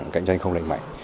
cạnh tranh không lệnh mạnh